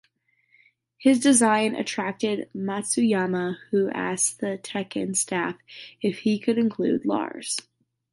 His design attracted Matsuyama who asked the "Tekken" staff if he could include Lars.